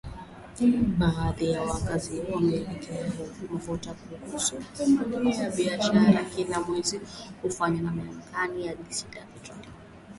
Baadhi ya waagizaji wameendelea kuhodhi mafuta, wakisubiri tathmini ya bei kila mwezi inayofanywa na Mamlaka ya Udhibiti wa Nishati na Petroli.